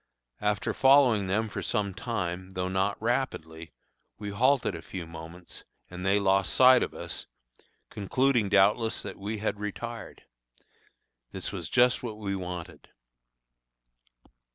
After following them for some time, though not rapidly, we halted a few moments, and they lost sight of us, concluding doubtless that we had retired. This was just what we wanted.